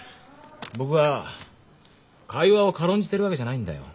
僕は会話を軽んじてるわけじゃないんだよ。